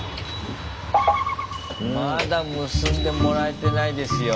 まだ結んでもらえてないですよ